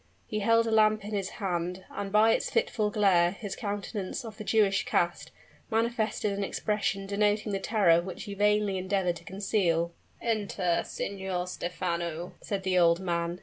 He held a lamp in his hand: and, by its fitful glare, his countenance, of the Jewish cast, manifested an expression denoting the terror which he vainly endeavored to conceal. "Enter. Signor Stephano," said the old man.